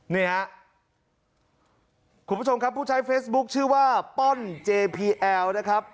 นี่ฮะคุณผู้ชมครับผู้ใช้เฟซบุ๊คชื่อว่าป้อนเจพีแอลนะครับ